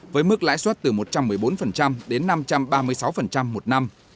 với mức lãi suất từ một trăm một mươi bốn đến năm trăm ba mươi sáu một năm